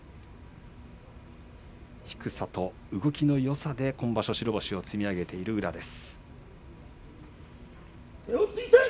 低さと動きのよさで、今場所白星を積み重ねている宇良です。